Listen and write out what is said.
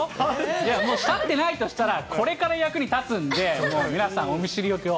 いや、もう立ってないとしたら、これから役に立つんで、もう皆さん、お見知りおきを。